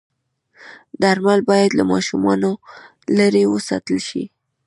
درمل باید له ماشومانو لرې وساتل شي.